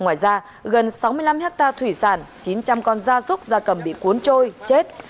ngoài ra gần sáu mươi năm hectare thủy sản chín trăm linh con da súc da cầm bị cuốn trôi chết